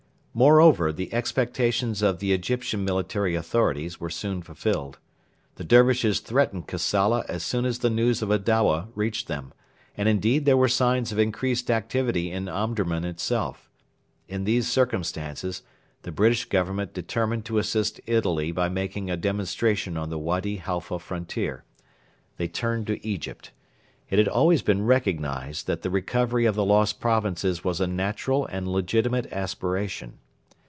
Moreover, the expectations of the Egyptian military authorities were soon fulfilled. The Dervishes threatened Kassala as soon as the news of Adowa reached them, and indeed there were signs of increased activity in Omdurman itself. In these circumstances the British Government determined to assist Italy by making a demonstration on the Wady Halfa frontier. They turned to Egypt. It had always been recognised that the recovery of the lost provinces was a natural and legitimate aspiration.